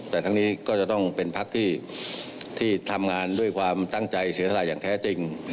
แต่ทั้งนี้ก็จะต้องเป็นพักที่ทำงานด้วยความตั้งใจเสียสละอย่างแท้จริง